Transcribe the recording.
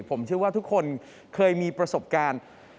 ผมเชื่อว่าทุกคนเคยมีประสบการณ์